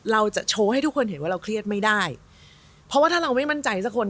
เราจะโชว์ให้ทุกคนเห็นว่าเราเครียดไม่ได้เพราะว่าถ้าเราไม่มั่นใจสักคน